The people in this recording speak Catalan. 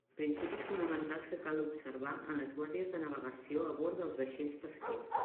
Principis fonamentals que cal observar en les guàrdies de navegació a bord dels vaixells pesquers.